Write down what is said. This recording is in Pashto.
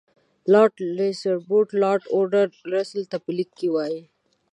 لارډ سالیزبوري لارډ اوډو رسل ته په لیک کې وایي.